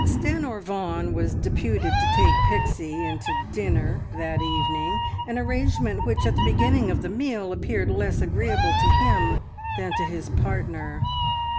Stanor Vaughan was deputed to take Pixie in to dinner that evening, an arrangement which at the beginning of the meal appeared less agreeable to him than to his partner.